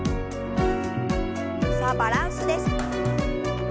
さあバランスです。